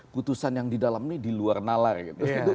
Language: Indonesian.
kutusan yang di dalam ini diluar nalar gitu